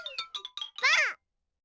ばあっ！